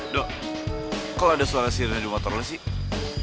dok kok ada suara sirinanya di motor lo sih